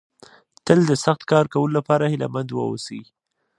تل د سخت کار کولو لپاره هيله مند ووسئ.